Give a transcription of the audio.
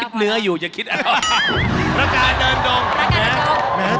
คิดเนื้ออยู่อย่าคิดอันนั้น